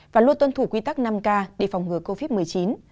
và luôn tuân thủ quy tắc năm k để phòng ngừa covid một mươi chín